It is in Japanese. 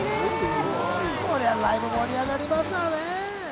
これはライブ盛り上がりますよね。